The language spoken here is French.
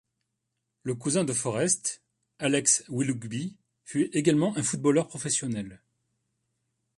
Le cousin de Forrest, Alex Willoughby, fut également un footballeur professionnel.